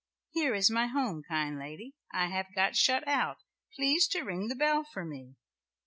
"'Here is my home, kind lady. I have got shut out, please to ring the bell for me.'